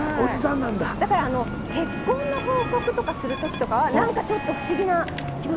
だから結婚の報告とかするときとかは何かちょっと不思議な気持ちというか。